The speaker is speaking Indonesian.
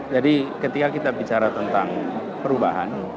jadi ketika kita bicara tentang perubahan